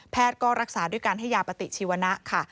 ก็รักษาด้วยการให้ยาปฏิชีวนะค่ะ